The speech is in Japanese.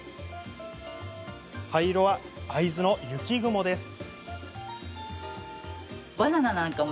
灰色は会津の雪雲です。